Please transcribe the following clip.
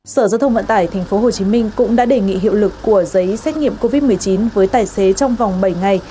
sở giao thông vận tải tp hcm cũng đã đề nghị hiệu lực của giấy xét nghiệm covid một mươi chín với tài xế trong vòng bảy ngày